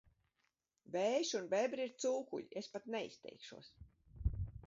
Vējš un bebri ir cūkuļi, es pat neizteikšos...